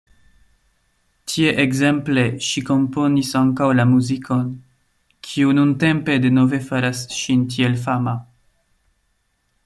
Tie ekzemple ŝi komponis ankaŭ la muzikon, kiu nuntempe denove faras ŝin tiel fama.